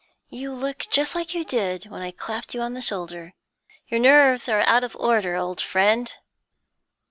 You look just like you did when I clapped you o' the shoulder. Your nerves are out of order, old friend.'